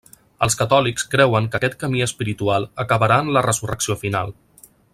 Els catòlics creuen que aquest camí espiritual acabarà en la resurrecció final.